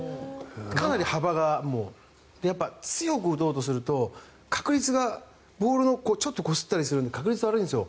かなり幅が強く打とうとするとボールをちょっとこすったりするので確率が悪いんです。